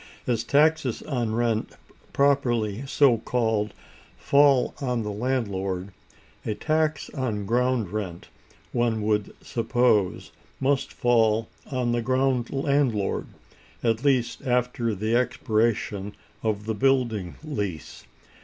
As taxes on rent, properly so called, fall on the landlord, a tax on ground rent, one would suppose, must fall on the ground landlord, at least after the expiration of the building lease.